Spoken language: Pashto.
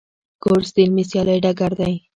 کورس د علمي سیالۍ ډګر دی.